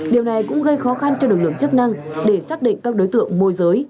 điều này cũng gây khó khăn cho lực lượng chức năng để xác định các đối tượng môi giới